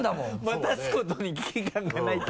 待たすことに危機感がないって。